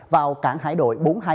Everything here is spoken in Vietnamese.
vào cảng hải đội bốn trăm hai mươi một